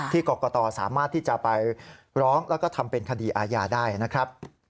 กรกตสามารถที่จะไปร้องแล้วก็ทำเป็นคดีอาญาได้นะครับ